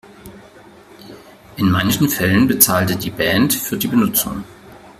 In manchen Fällen bezahlte die Band für die Benutzung.